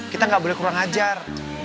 kita nggak boleh kurang ajar